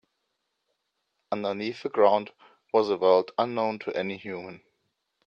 Underneath the ground was a world unknown to any human.